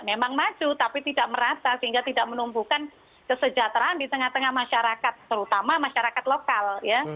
memang maju tapi tidak merata sehingga tidak menumbuhkan kesejahteraan di tengah tengah masyarakat terutama masyarakat lokal ya